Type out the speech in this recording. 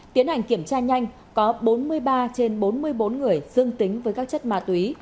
tiến hành kiểm tra nhanh có bốn mươi ba trên bốn mươi bốn người dương tính với các chất ma túy